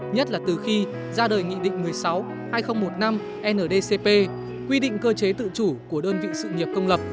nhất là từ khi ra đời nghị định một mươi sáu hai nghìn một mươi năm ndcp quy định cơ chế tự chủ của đơn vị sự nghiệp công lập